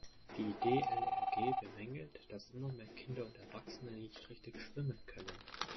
Die DLRG bemängelt, dass immer mehr Kinder und Erwachsene nicht richtig schwimmen können.